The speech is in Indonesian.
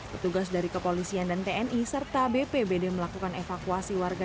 petugas dari kepolisian dan tni serta bpbd melakukan evakuasi warga